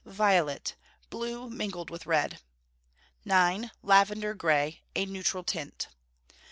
Violet blue mingled with red. 9. Lavender grey a neutral tint.